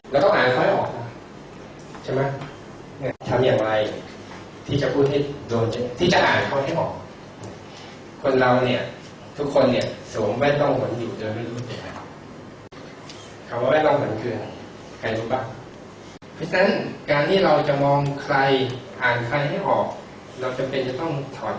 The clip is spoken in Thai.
เราจำเป็นจะต้องถอดเวลาหวนออกก่อน